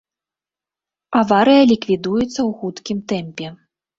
Аварыя ліквідуецца ў хуткім тэмпе.